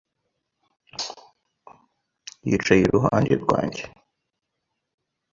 yicaye iruhande rwanjye.